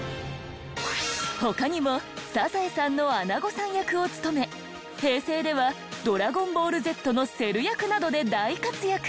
他にも『サザエさん』の穴子さん役を務め平成では『ドラゴンボールＺ』のセル役などで大活躍。